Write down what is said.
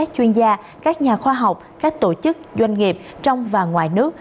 với các chuyên gia các nhà khoa học các tổ chức doanh nghiệp trong và ngoài nước